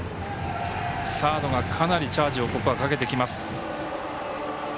サードが、かなりチャージを、ここはかけてきます。